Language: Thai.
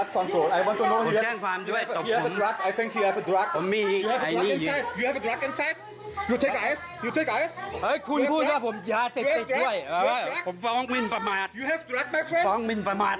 โปรดติดตามต่อไป